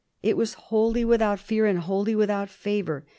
It was wholly without fear and wholly without favor.